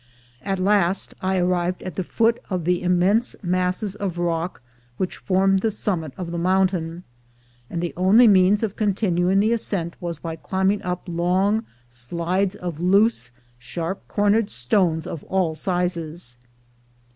At last I arrived at the foot of the immense masses of rock which formed the summit of the mountain, and the only means of continuing the ascent was by climb ing up long slides of loose sharp cornered stones of all sizes.